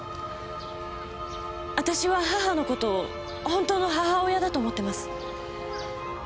私は母の事を本当の母親だと思ってます。